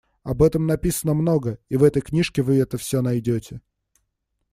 Об этом написано много, и в этой книжке вы это всё найдёте.